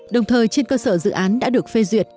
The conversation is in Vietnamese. đồng thời trên cơ sở dự án đã được phê duyệt